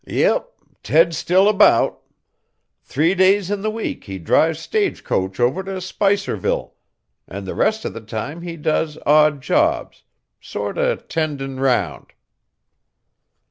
"Yep; Ted's still a beout. Three days in the week he drives stage coach over to Spicerville, and the rest o' the time he does odd jobs sort o' tendin' round."